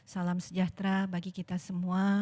salam sejahtera bagi kita semua